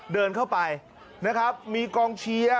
เดินเข้าไปนะครับมีกองเชียร์